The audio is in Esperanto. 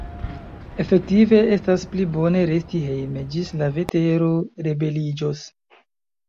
Efektive, estas pli bone resti hejme, ĝis la vetero rebeliĝos.